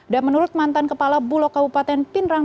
dan menurut mantan kepala bulog kabupaten pindrang